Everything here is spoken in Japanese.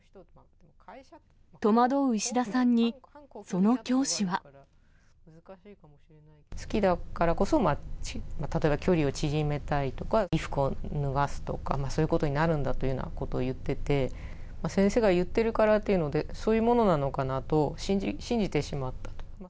戸惑う石田さんに、その教師好きだからこそ、例えば距離を縮めたいとか、衣服を脱がすとか、そういうことになるんだというようなことを言ってて、先生が言っているからっていうので、そういうものなのかなと信じてしまったと。